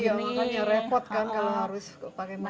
iya makanya repot kan kalau harus pakai masker